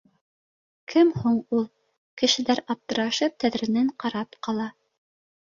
Кем һуң ул? Кешеләр аптырашып тәҙрәнән ҡарап ҡала